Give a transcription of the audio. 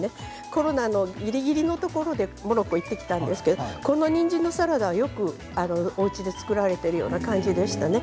コロナのぎりぎりのところでモロッコに行ってきたんですけどこのにんじんのサラダを、よくおうちで作られているような感じでしたね。